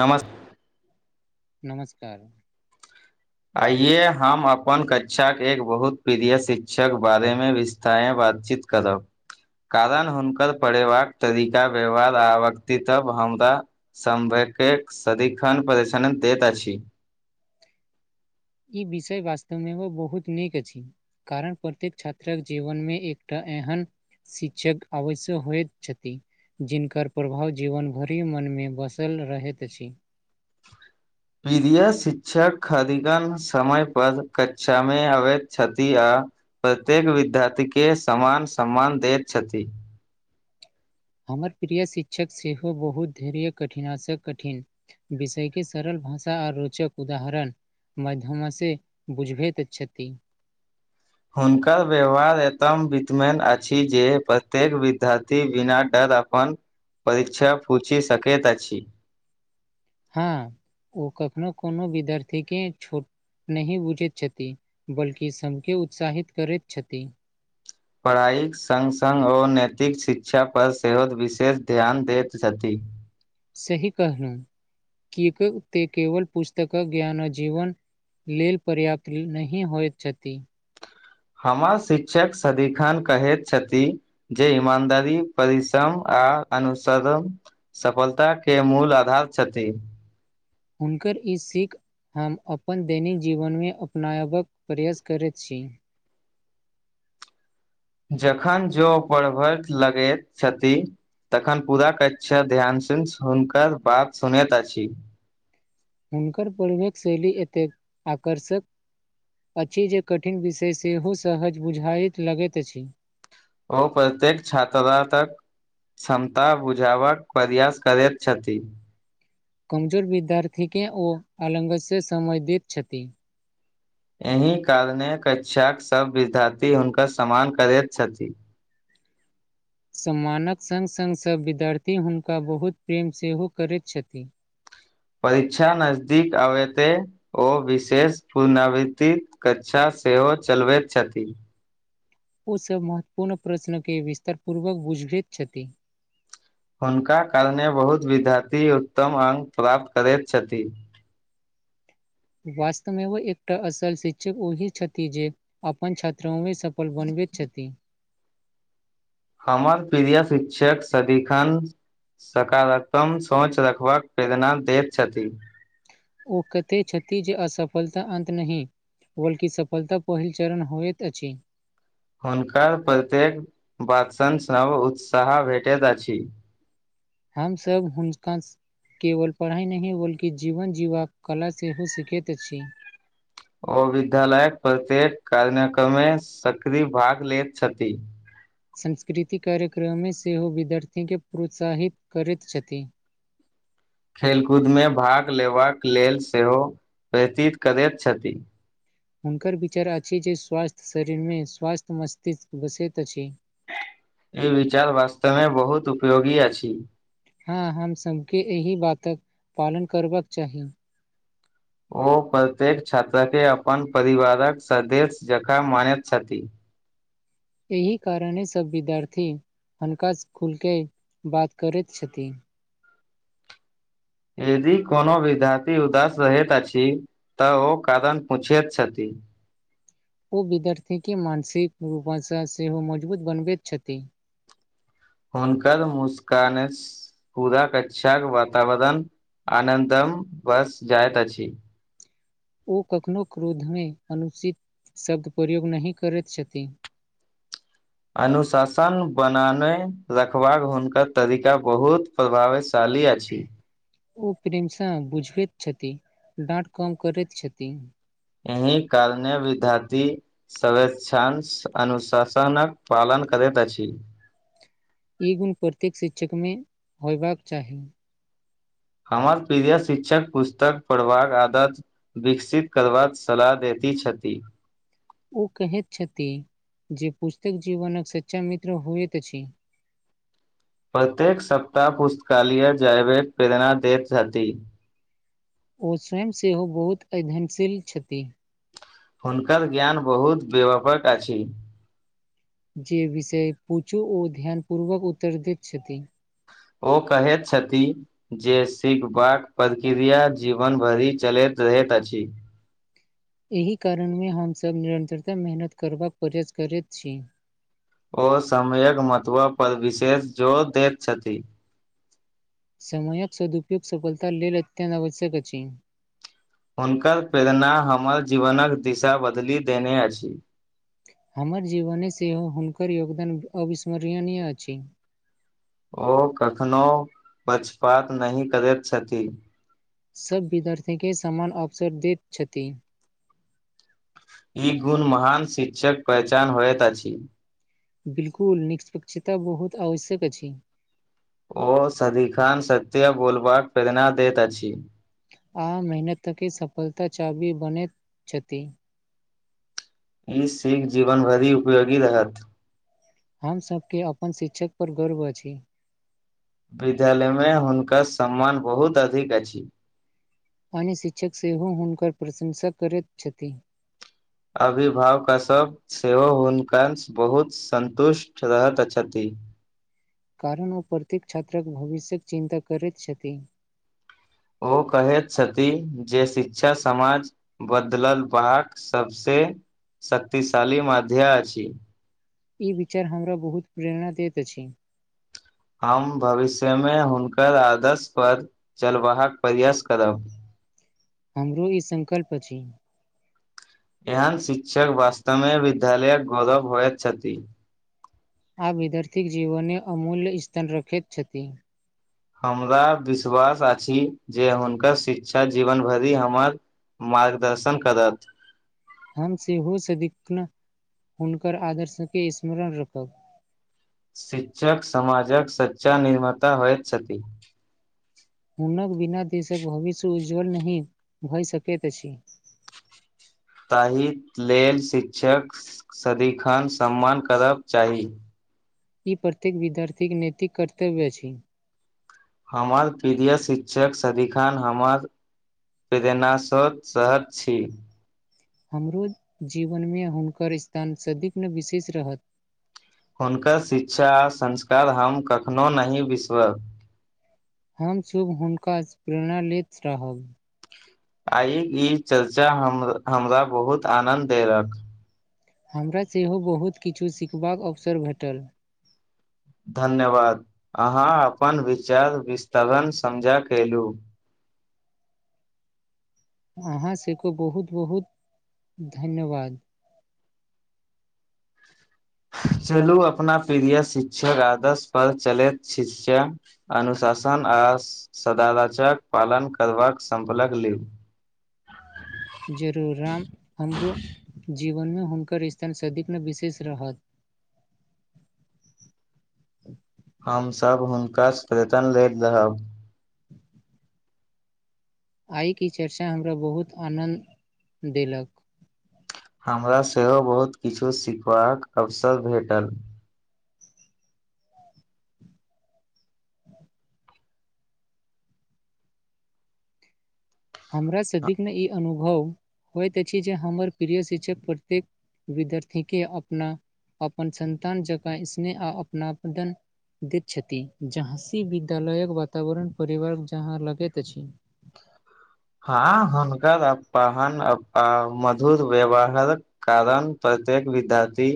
नमस नमस्कार आइये हम अपन कक्षाक एक बहुत प्रिय शिक्षक बारेमे विस्तायब बंचित करब कारण हुनकर पढ़ेबाक तरीका व्यवहार आ व्यक्तित्व हमरा समभ एक सदिखन परिक्षनन दैत अछि [unintelligible] ई विषय वास्तवमे बहुत नीक अछि कारण प्रत्येक छात्रक जीवनमे एकटा एहन शिक्षक अवश्यक होइत छथि जिनकर प्रभाव जीवन भरि मनमे बसल रहैत अछि प्रिय शिक्षक खरिगन समय पर कक्षामे अबैत छथि आ प्रत्येक विद्यार्थी के समान सम्मान दैत छथि हमर प्रिय शिक्षक सेहो बहुत धर कठिना सँ कठिन विषयके सरल भाषा आ रोचक उदाहरण मध्यम सँ बुझबैत छथि हुनकर व्यवहार एतम वितमन अछि जे प्रत्येक विद्यार्थी बिना डर अपन परीक्षा पूछि शकैत अछि हँ ओ कखनो कोनो विद्यार्थी के छोट नहि बुझैत छथि बल्कि सबके उत्साहित करैत छथि पढ़ाइक सङ्ग सङ्ग आर नैतिक शिक्षा पर सेहो विशेष ध्यान दैत छथिन [inaudible] सही कहलू कि ते केवल पुस्तक ज्ञान आ जीवन लेल पर्याप्त नहि होइत छथि हमर शिक्षक सदिखन कहैत छथि जे ईमानदारी परिश्रम आ आ अनुसरण सफलता के मूल आधार छथि हुनकर ई सिख हम अपन दैनिक जीवन मे अपनायबाक प्रयास करैत छी जखन जो परभ लगैत छथि तखन पूरा कक्षा ध्यान सँ हुनकर बात सुनैत अछि हुनकर परिवक शैली एतेक आकर्षक अछि जे कठिन विषय सेहो सहज बुझाइत लगैत अछि ओ प्रत्येक छात्रा तक क्षमता बुझाबबाक प्रयास करैत छथि कमजोर विद्यार्थी के ओ आलंगत से समधित छथि एहि कारणे कक्षाक सभ विद्यार्थी हुनकर सम्मान करैत छथि [inaudible] सम्मानक सङ्ग सङ्ग सभ विद्यार्थी हुनका बहुत प्रेम सेहो करैत छथि परीक्षा नजदीक आबत ओ विशेष पुनरावृति कक्षा सेहो चलबैत छथि ओ सब महत्वपूर्ण प्रश्न के विस्तारपूर्वक बूझबैत छथि हुनका कारणे बहुत विद्यार्थी उत्तम अङ्क प्राप्त करैत छथि [inaudible] वास्तवमे ओ एकटा असल शिक्षक ओहि छथि जे अपन छात्रा मे सफल बनबैत छथि ती हमर प्रिय शिक्षक सदिखन सकारात्मक सोच रखबाक प्रेरणा दैत छथि ओ कते छथि जे असफलता अन्त नहि बल्कि सफलता पहिल चरण होयइत अछि हुनकर प्रत्येक बातसन सभ उत्साह भेटैत अछि हमसभ हुनका केवल पढ़ाई नहि बल्कि जीवन जीवा कला सेहो हो सखैत अछि ओ विद्यालय प्रत्येक कार्यक्रमे सक्रिय भाग लेैत छथि सांस्कृतिक कार्यक्रममे सेहो विद्यार्थी केँ प्रोत्साहित करैत छथिन खेलकूद मे भाग लेबाक लेल सेहो व्यतीत करैत छथि हुनकर विचार अछि जे स्वास्थ्य शरीर मे स्वास्थ्य मस्तिष्क बसैत अछि ई विचार वास्तव में बहुत उपयोगी अ अछि हँ हमसभके एहि बातक पालन करबाक चाही ओ प्रत्येक छात्र केँ अपन परिवारक सदस्य जकाँ मानैत छथि एहि कारणे सब विद्यार्थी हनका खुलके बात करैत छथि यदि कोनो विद्यार्थी उदास रहैत अछि तऽ ओ कारन पूछिैत छथि ओ विद्यार्थीके मानसिक रूप सँ सेहो मजबूत बनबैत छथि हुनकर मुस्कान पूरा कक्षा के वातावरण आनन्दम बस जाइत अछि ओ कखनहु क्रोध मे अनुचित शब्द प्रयोग नहि करैत छथिन [inaudible] अनुशासन बनाने रखबाक हुनकर तरीका बहुत प्रभावित शाली आछी ओ प्रेमसाह बुझबैत छथिन डाँट कम करैत छथिन एहि कारणे विद्यार्थी सरवेक्षांश अनुशासनक पालन करेत अछि ई गुण प्रत्येक शिक्षक मे होयबाक चाही हमर प्रिय शिक्षक पुस्तक पढ़बाक आदत विकसित करबाक सलाह देत छथि ओ कैहत छथि जे पुस्तक जीवनक सच्चा मित्र होइत अछि [inaudible] प्रत्येक सप्ताह पुस्तकालय जयवेर प्रेरणा दैत हथि ओ स्वयं सेहो बहुत अध्ययनशील छथि हुनकर ज्ञान बहुत व्यापक अछि जे विषय पूछु ओ ध्यान पूर्वक उत्तर देत छथि ओ कहैत छथिन जे सिखबाक प्रक्रिया जीवन भरि चलैत रहैत अछी एहि कारण मे हमसभ निरन्तरता मेहनत करबाक प्रयास करैत छी ओ समयक महत्व पर विशेष जोर दैत छथि समयक सदुपयोग सफलता लेल अत्यन्त आवश्यक अछि हुनकर प्रेरणा हमर जीवनक दिशा बदलि देने अछि हमर जीवने सेहो हुनकर योगदान अविस्मरणीय अछि ओ कखनो पछपात नहि करैत छथिन सभ विद्यार्थी के समान अवसर दैत छथि ई गुण महान शिक्षक पहचान होइत अछि बिल्कुल निष्पक्षता बहुत आवश्यक अछि ओ सदिखान सत्य बोलबाक प्रेरणा दैत अछि आ मेहनत त के सफलता चाबी बनैत छथि ई सिख जीवन भरि उपयोगी रहत हमसबके अपन शिक्षक पर गर्व अछि विद्यालय मे हुनका सम्मान बहुत अधिक अछि अन्य शिक्षक सेहो हुनकर प्रशंसा करैत छथि अभिभावक सब सेहो हुनका बहुत सन्तुष्ट रहैत अछति [inaudible] कारण ओ प्रत्येक छात्रक भविष्यक चिन्ता करैत छथि ओ कहैत छथि जे शिक्षा समाज बदलल बा सबसे शक्तिशाली माध्या अछी ई विचार हमरा बहुत प्रेरणा दैत अछि हम भविष्य मे हुनकर आदर्श पर चलबाहक प्रयास करब [inaudible] हमरो ई संकल्प अछि एहन शिक्षक वास्तव मे विद्यालयक गौरव हो छथि आ विद्यार्थी जीवनने अमूल्य स्थान रखैत छथि हमरा विश्वास अछि जे हुनकर शिक्षा जीवन भरि हमर मार्गदर्शन करत हम सेहो सदिखन हुनकर आदर्शके स्मरण रखब शिक्षक सामजक सच्चा निर्माता होयत छथि हुनक बिना देशक भविष्य उज्ज्वल नहि भए सकैत अछि [inaudible] ताहि लेल शिक्षक सदिखन सम्मान करब चाही ई प्रत्येक विद्यार्थीके नैतिक कर्तव्य अछि हमर प्रिय शिक्षक सदी खान हमर प्रेरना स शहर छी हमरो जीवनमे हुनकर स्थान सदिग्न विशेष रहत हुनकर शिक्षा आ संस्कार हम कखनो नहि बिसरब हम सब हुनकास प्रेरणा लैत रहब आइ ई चर्चा हम हमरा बहुत आनन्द देलक हमरा सेहो बहुत किछु सिखबाक अवसर भेटल धन्यवाद अहाँ अपन विचार विस्तरण समझा कयलहुँ अहाँ सभके बहुत बहुत धन्यवाद [inaudible] [inaudible] चलू अपना प्रिय शिक्षक आदर्श पर चलैत शिशा अनुशासन आ सदारजक पालन करबाक संपलक लि जरूर राम हमरो जीवन हुनकर स्थान सदिखन विशेष रहत [inaudible] [unintelligible] हमसभ हुनका श्रीजन लैत रहब आइके चर्चा हमरा बहुत आनन्द देलक हमरा सेहो बहुत किछु सिखबाक अवसर भेटल हमरा सदिकन ई अनु भव होइत अछि जे हमर प्रिय शिक्षक प्रत्येक विद्यार्थीके अपना अपन संतान जका स्नेह आ अपना पटन दैत छथि जा हँसी विद्यालयक वातावरण परिवार जहाँ लगैत अछि [inaudible] हँ हुनकर अपाहन अप मधुर व्यवहार कारण प्रतेक विद्यार्थी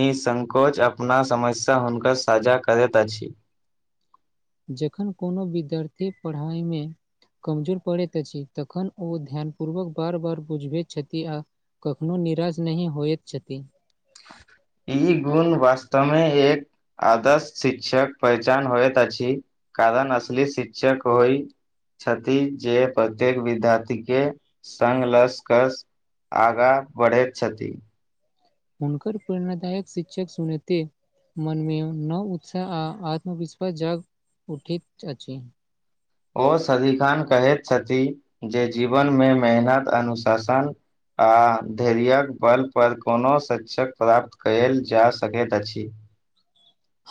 निःसंकोच अपना समस्या हुनकर साझा करैत अछि जखन कोनो विद्यार्थी परहय मे कमजोर पड़ैत अछि तखन ओ ध्यान पूर्वक बार बार बुझबैत छथि आ कखनो निराश नहि होयत छथि [unintelligible] ई गुण वास्तमे एक आदर्श शिक्षक पहचान होइत अछि कारण असली शिक्षक होइ छथि जे प्रत्येक विद्यार्थी के सन लसकर आगाँ बढ़ेत छथि हुनकर प्रेणदायक शिक्षक सुनैते मनमे नव उत्साह आ आत्मविश्वा जाग उठित अछि ओ सदिखन कहैत छथि जे जीवनमे मेहनत अनुशासन आ धैरियक बल पर कोनो शिक्षक प्राप्त कयल जा सकैत अछि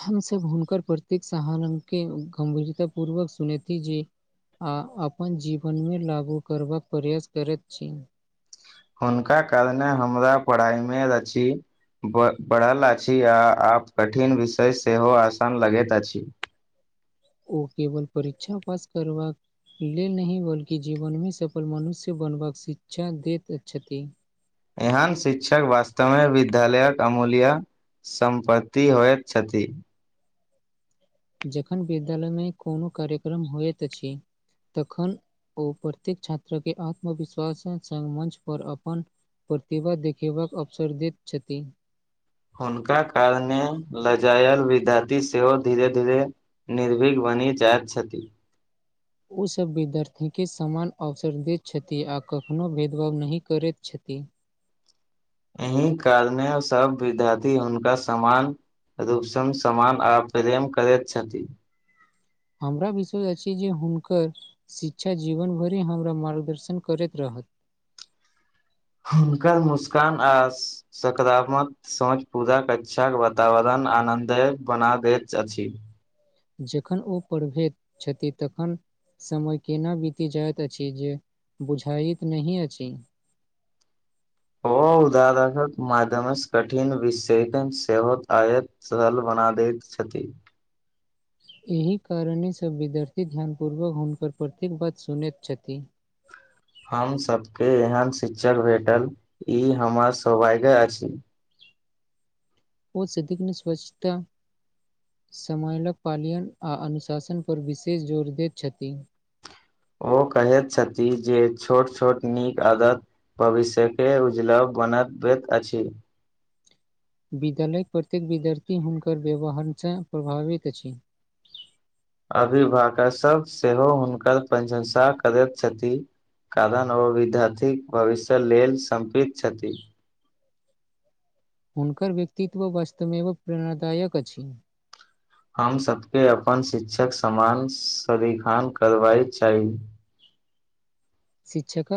हम सब हुनकर प्रतेक सहान्न के गंभीरता पूर्वक सुनेथि जे आ अपन जीवनमे लागू करबाक प्रयास करैत छी हुनका कारणे हमरा पढ़ाइमे रची ब बढ़ल अछि आ आप कठिन विषय सेहो आसान लगैत अछि [inaudible] ओ केबल परीक्षा पास करबाक ले नहि बल्कि जीवन मे सफल मनुष्य बनबाक शिक्षा देत छथि एहन शिक्षक वास्तमे विद्यालयक अमूल्य सम्पति होयत छथि जखन विद्यालय मे कोनो कार्यक्रम होइत अछि तखन ओ प्रत्येक छात्र के आत्मविश्वास सँ मञ्च पर अपन प्रतिभा देखेबाक अवसर दैत छथि हुनका कारणे लजायल विधाती सेहो धीरे धीरे निर्भीघ बनी जाइत छथि ओसभ विद्यार्थी के समान अवसर दैत छथि आ कखनो भेदभाव नहि करैत छथिन ती एहि कारणे सब विद्यार्थी हूनका समान रूपसन समान आ प्रेम करैत छथि हमरा विश्वष अछि जे हुनकर शिक्षा जीवन भरि हमरा मार्गदर्शन करैत रह [inaudible] [inaudible] हुनकर मुस्कान आ सकारात्मक सोच पूरा कक्षाक वातावरण आनन्दे बना दैत अछि जखन ओ पढ़बैत छथि तखन समय केना बीति जाइत अछि जे बुझाइत नहि अछि ओ उदाहरण क माध्यम सँ कठिन विषेषण सेवत आयत सल बन सरल बना दैत छथि एहि कारणे सभ विद्यार्थी ध्यानपूर्वक हुनकर प्रत्येक बात सुनैत छथि [inaudible] हमसभके एहन शिक्षक भेटल ई हमर सौभाग्य अछि ओ सधिक नहि स्वच्छता समानक पालयन आ अनुशासन पर विशेष जोर दैत छथिन ओ कहैत छथि जे छोट छोट नीक आदत भविष्य के उजला बनत अछि विद्यालयक प्रत्येक विद्यार्थी हुनकर व्यवहारसँ प्रभावित अछि अभिभावक सभ सेहो हुनकर प्रशंसा करैत छथि कारन ओ विद्यार्थीक भविष्य लेल सम्पित छथि हुनकर व्यक्तित्व वास्तवमेव प्रेरणादायक अछि हम सभके अपन शिक्षक समान सदिखन करबय चाही शिक्षक